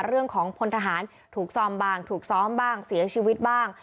เรื่องของพลทหารถูกซอมบ้างถูกซ้อมบ้างเสียชีวิตบ้าง